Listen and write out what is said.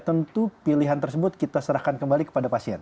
tentu pilihan tersebut kita serahkan kembali kepada pasien